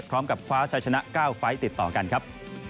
พร้อมกับคว้าชัยชนะ๙ไฟล์ติดต่อกันครับ